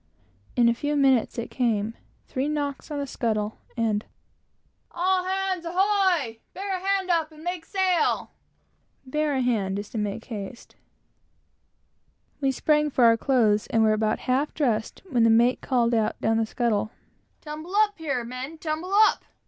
In a few minutes it came three knocks on the scuttle, and "All hands ahoy! bear a hand up and make sail." We sprang up for our clothes, and were about halfway dressed, when the mate called out, down the scuttle, "Tumble up here, men! tumble up!